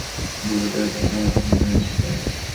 সত্যি করে বলো ভাই, আমাদের বুড়ো দেওরটিকে তোমার পছন্দ হয়েছে তো?